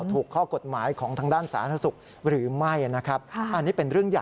ถูกข้อกฎหมายของทางด้านสาธารณะสุขหรือไม่